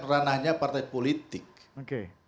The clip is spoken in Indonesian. ranahnya partai politik oke